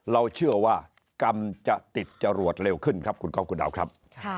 เราเชื่อว่ากรรมจะติดจรวดเร็วขึ้นครับคุณก๊อฟคุณดาวครับ